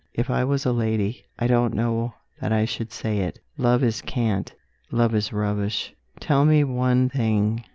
If I was a lady, I don't know that I should say it. Love is cant; love is rubbish. Tell me one thing.